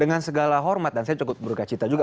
dengan segala hormat dan saya cukup bergacita juga